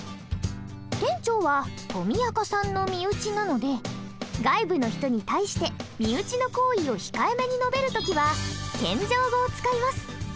店長はとみあかさんの身内なので外部の人に対して身内の行為を控えめに述べる時は謙譲語を使います。